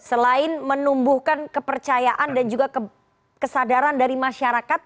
selain menumbuhkan kepercayaan dan juga kesadaran dari masyarakat